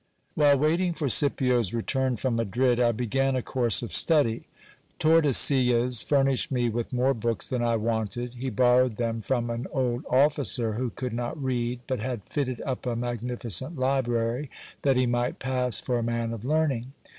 While waiting for Scipio's return from Madrid, I began a course of study. Tordesillas furnished me with more books than I wanted. He borrowed them from an old officer who could not read, but had fitted up a magnificent library, that he might pass for a man of learning.